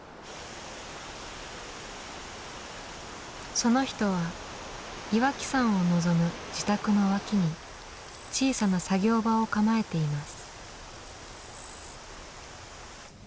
その人は岩木山を望む自宅の脇に小さな作業場を構えています。